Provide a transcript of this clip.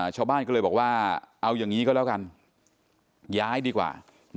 ชาวบ้านก็เลยบอกว่าเอาอย่างนี้ก็แล้วกันย้ายดีกว่า